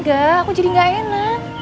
engga aku jadi nggak enak